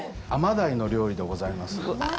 アマダイの料理でございます。